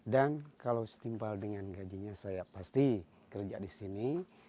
dan kalau setimpal dengan gajinya saya pasti kerja di sini